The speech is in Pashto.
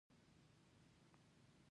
دا قیر سړک نوی جوړ شوی